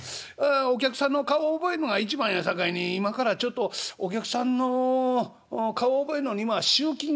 お客さんの顔を覚えんのが一番やさかいに今からちょっとお客さんの顔を覚えんのに今は集金に行くのが一番や』